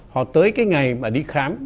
họ tới cái ngày mà đi khám